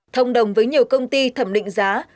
thông đồng với nhiều công ty thẩm định giá